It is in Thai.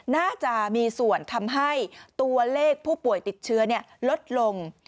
น่าจะมีส่วนทำให้ตัวเลขผู้ป่วยติดเชื้อลดลง